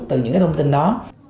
từ những cái thông tin đó